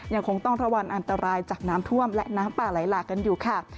ยังคงต้องระวังอันตรายจากน้ำท่วมและน้ำป่าไหลหลากกันอยู่ค่ะ